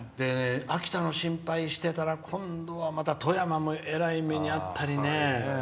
秋田の心配してたら今度は富山もえらい目に遭ったりね